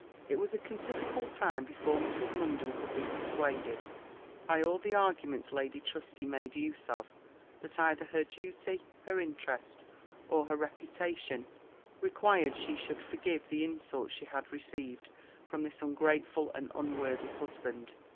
It was a considerable time before Mrs. Munden could be persuaded, by all the arguments Lady Trusty made use of, that either her duty, her interest, or her reputation, required she should forgive the insults she had received from this ungrateful and unworthy husband.